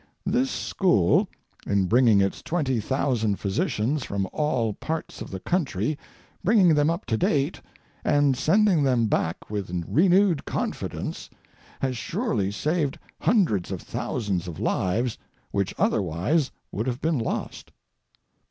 This school, in bringing its twenty thousand physicians from all parts of the country, bringing them up to date, and sending them back with renewed confidence, has surely saved hundreds of thousands of lives which otherwise would have been lost.